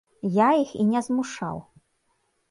Я іх і не змушаў.